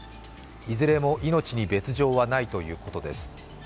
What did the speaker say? いずれも命に別状はないということです。